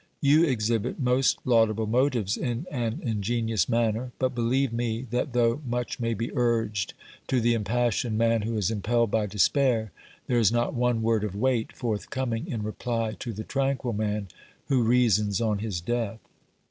You exhibit most laudable motives in an ingenious manner ; but believe me, that though much may be urged to the impassioned man who is impelled by despair, there is not one word of weight forthcoming in reply to the tranquil man who reasons on his death.